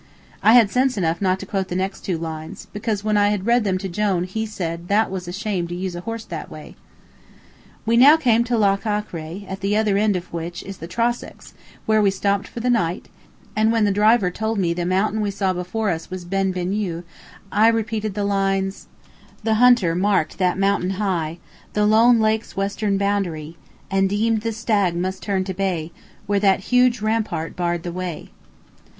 '" I had sense enough not to quote the next two lines, because when I had read them to Jone he said that it was a shame to use a horse that way. We now came to Loch Achray, at the other end of which is the Trossachs, where we stopped for the night, and when the driver told me the mountain we saw before us was Ben Venue, I repeated the lines: "'The hunter marked that mountain high, The lone lake's western boundary, And deem'd the stag must turn to bay, Where that huge rampart barr'd the way.'"